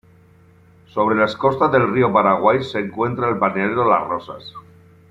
Sobre las costas del Río Paraguay se encuentra el balneario las Rosas.